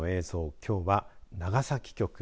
きょうは長崎局。